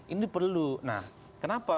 ini perlu nah kenapa